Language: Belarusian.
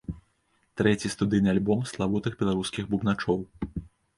Трэці студыйны альбом славутых беларускіх бубначоў.